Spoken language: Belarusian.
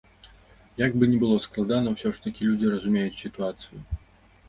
Як бы ні было складана, усё ж такі людзі разумеюць сітуацыю.